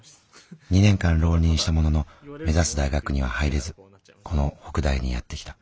２年間浪人したものの目指す大学には入れずこの北大にやって来た。